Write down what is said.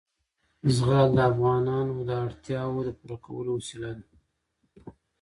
زغال د افغانانو د اړتیاوو د پوره کولو وسیله ده.